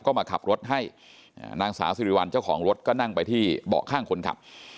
ก็มาขับรถให้นางสาวสิริวัลเจ้าของรถก็นั่งไปที่เบาะข้างคนขับ